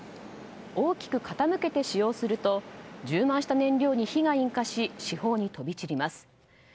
大きく傾けて使用すると充満した燃料に火が引火し四方に飛び散ります。